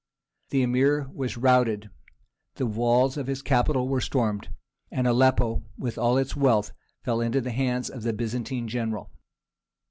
The Emir was routed, the walls of his capital were stormed, and Aleppo, with all its wealth, fell into the hands of the Byzantine general.